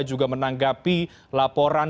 juga menanggapi laporan